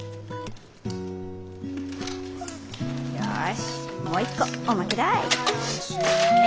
よしもう一個おまけだい。